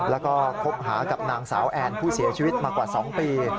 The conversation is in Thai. แล้วก็คบหากับนางสาวแอนผู้เสียชีวิตมากว่า๒ปี